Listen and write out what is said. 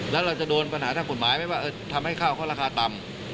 แล้วเราจะโดนปัญหาทางกฎหมายไหมว่าทำให้ข้าวเขาราคาต่ำ